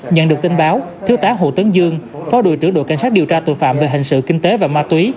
nhận được tin báo thiếu tá hồ tấn dương phó đội trưởng đội cảnh sát điều tra tội phạm về hình sự kinh tế và ma túy